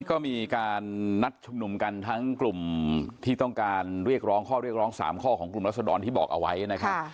ก็มีการนัดชุมนุมกันทั้งกลุ่มที่ต้องการเรียกร้องข้อเรียกร้อง๓ข้อของกลุ่มรัศดรที่บอกเอาไว้นะครับ